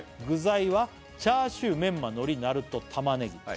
「具材はチャーシューメンマのりなると玉ネギ」